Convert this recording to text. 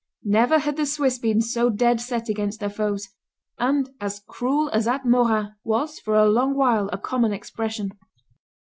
Never had the Swiss been so dead set against their foes; and "as cruel as at Morat" was for a long while a common expression.